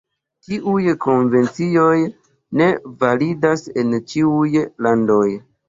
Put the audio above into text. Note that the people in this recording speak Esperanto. Tiuj konvencioj ne validas en ĉiuj landoj.